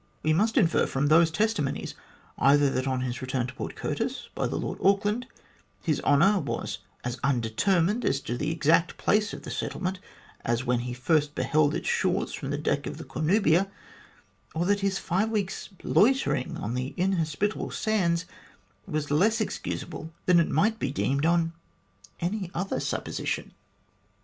We must infer from those testimonies, either that on his return to Port Curtis by the Lord Auckland, His Honour was as undetermined as to the exact place of settlement as when he first beheld its shores from the deck of the Cornubia; or that his five weeks' loitering on the inhospitable sands was less excusable than it might be deemed on any other supposition."